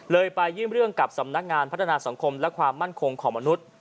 ไปยื่นเรื่องกับสำนักงานพัฒนาสังคมและความมั่นคงของมนุษย์